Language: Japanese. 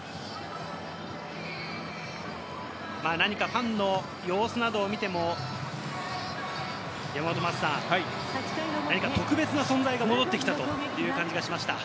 ファンの様子などを見ても、特別な存在が戻ってきたという感じがしました。